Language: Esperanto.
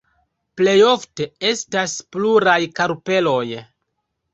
Plejofte, estas pluraj karpeloj.